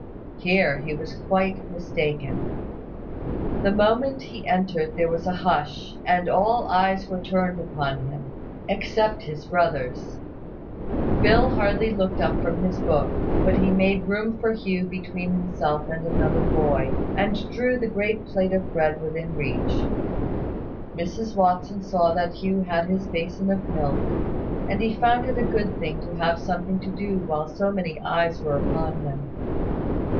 Here he was quite mistaken. The moment he entered there was a hush, and all eyes were turned upon him, except his brother's. Phil hardly looked up from his book; but he made room for Hugh between himself and another boy, and drew the great plate of bread within reach. Mrs Watson saw that Hugh had his basin of milk; and he found it a good thing to have something to do while so many eyes were upon him.